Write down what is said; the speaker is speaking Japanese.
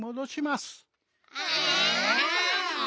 え！